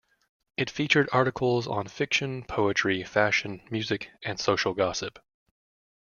It featured articles on fiction, poetry, fashion, music, and social gossip.